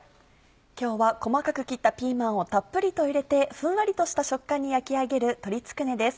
今日は細かく切ったピーマンをたっぷりと入れてふんわりとした食感に焼き上げる鶏つくねです。